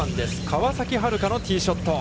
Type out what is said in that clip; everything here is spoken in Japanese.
川崎春花のティーショット。